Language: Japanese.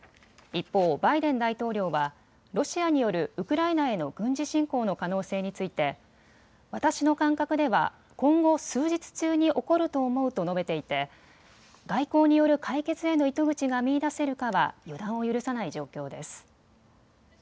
一方、バイデン大統領はロシアによるウクライナへの軍事侵攻の可能性について私の感覚では今後数日中に起こると思うと述べていて外交による解決への糸口が見いだせるかは予断を許さない状況です。